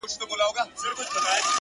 او د بت سترگي يې ښې ور اب پاشي کړې!!